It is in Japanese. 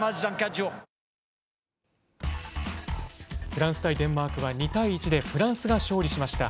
フランス対デンマークは２対１でフランスが勝利しました。